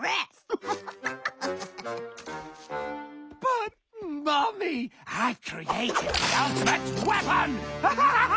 ハハハハハ！